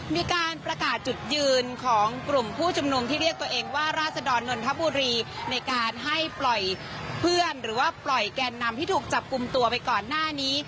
มีการประกาศจุดยืนของกลุ่มผู้ชุมนุมที่เรียกตัวเองว่าราศดรนนทบุรีในการให้ปล่อยเพื่อนหรือว่าปล่อยแกนนำที่ถูกจับกลุ่มตัวไปก่อนหน้านี้